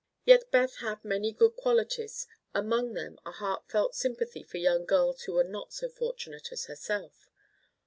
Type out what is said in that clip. Yet Beth had many good qualities, among them a heart felt sympathy for young girls who were not so fortunate as herself.